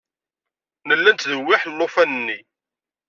Nella nettdewwiḥ alufan-nni.